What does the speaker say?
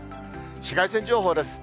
紫外線情報です。